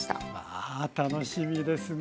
あ楽しみですね。